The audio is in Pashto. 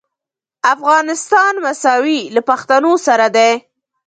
افغانستان مساوي له پښتنو سره دی.